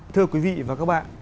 thưa quý vị và các bạn